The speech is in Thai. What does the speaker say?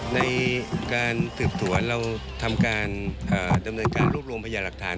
ในการสืบสวนเราทำการดำเนินการรวบรวมพยาหลักฐาน